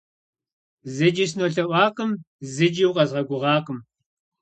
ЗыкӀи сынолъэӀуакъым, зыкӀи укъэзгъэгугъакъым!